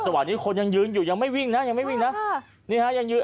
จะวานนี้คนยังยืนอยู่ยังไม่วิ่งนะยังไม่วิ่งนะ